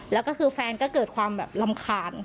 แล้วก็คือแฟนก็เกิดความแบบรำคาญ